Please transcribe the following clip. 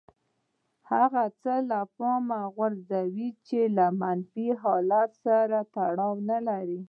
هغه څه له پامه غورځوي چې له منفي حالت سره تړاو نه لري.